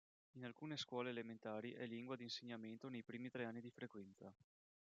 In alcune scuole elementari è lingua di insegnamento nei primi tre anni di frequenza.